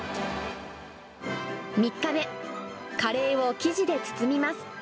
３日目、カレーを生地で包みます。